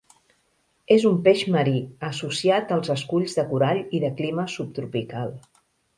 És un peix marí, associat als esculls de corall i de clima subtropical.